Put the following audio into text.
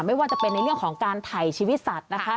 ไม่ว่าจะเป็นในเรื่องของการถ่ายชีวิตสัตว์นะคะ